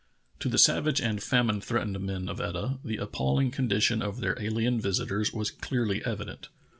To the savage and famine threatened men of Etah the appalling condition of their alien visitors was clearly evident.